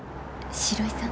城井さん？